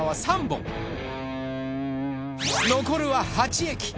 残るは８駅。